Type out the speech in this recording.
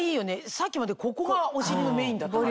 さっきまでここがお尻のメインだったから。